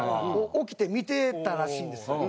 起きて見てたらしいんですよ。